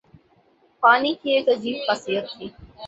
پانی کی ایک عجیب خاصیت تھی